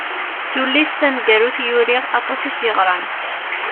Tullist taneggarut i uriɣ aṭas i tt-yeɣran.